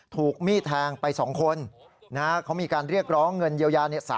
ถูกมีดแทงไป๒คนเขามีการเรียกร้องเงินเยียวยา